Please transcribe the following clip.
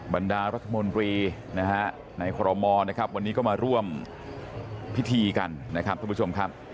บรรดารัฐมนตรีนะฮะในคอรมอลนะครับวันนี้ก็มาร่วมพิธีกันนะครับทุกผู้ชมครับ